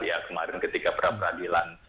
ya kemarin ketika peradilan